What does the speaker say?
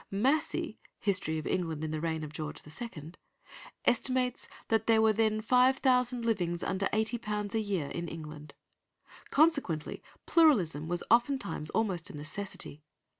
Massey (History of England in the Reign of George II.) estimates that there were then five thousand livings under £80 a year in England; consequently pluralism was oftentimes almost a necessity.